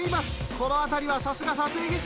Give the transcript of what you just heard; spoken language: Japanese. このあたりはさすが撮影技師。